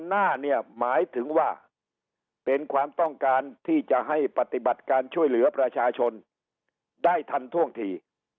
หน้าเนี่ยหมายถึงว่าเป็นความต้องการที่จะให้ปฏิบัติการช่วยเหลือประชาชนได้ทันท่วงที